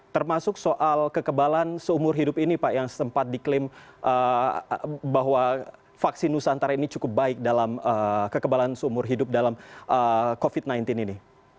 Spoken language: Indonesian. termasuk soal kekebalan seumur hidup ini pak yang sempat diklaim bahwa vaksin nusantara ini cukup baik dalam kekebalan seumur hidup dalam covid sembilan belas ini